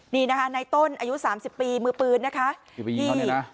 นี่นะคะในต้นอายุสามสิบปีมือปืนนะคะที่ไปยิงเขาเนี่ยนะ